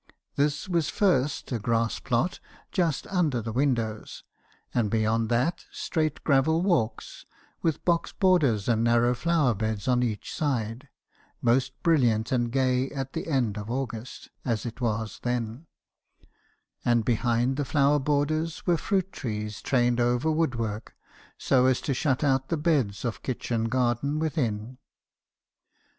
This was first, a grass plot, just under the windows, and beyond that, straight gravel walks , with box borders and narrow flower beds on each side, most brilliant and gay at the end of August, as it was then; and behind the flower borders were fruit trees trained over wood work , so as to shut out the beds of kitchen garden within.